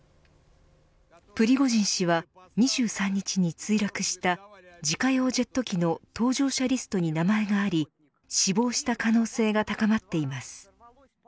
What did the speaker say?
プリゴジン氏は２３日に墜落した自家用ジェット機の搭乗者リストに名前があり死亡した可能性が高まっています。